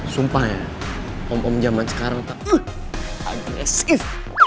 sumpah ya om om jaman sekarang tuh agresif